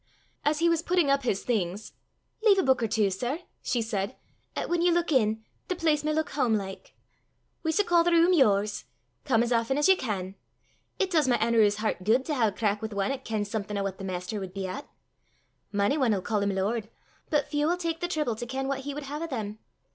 As he was putting up his things, "Lea' a buik or twa, sir," she said, "'at whan ye luik in, the place may luik hame like. We s' ca' the room yours. Come as aften as ye can. It does my Anerew's hert guid to hae a crack wi' ane 'at kens something o' what the Maister wad be at. Mony ane 'll ca' him Lord, but feow 'ill tak the trible to ken what he wad hae o' them.